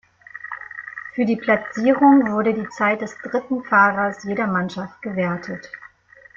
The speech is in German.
Für die Platzierung wurde die Zeit des dritten Fahrers jeder Mannschaft gewertet.